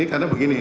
ini karena begini